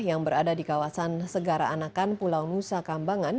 yang berada di kawasan segara anakan pulau nusa kambangan